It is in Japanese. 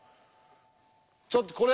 ちょっとこれ！